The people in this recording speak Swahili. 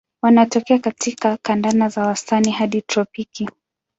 Wanatokea katika kanda za wastani hadi tropiki.